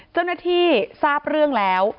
เจ้าหน้าที่ทราบเรื่องแล้ว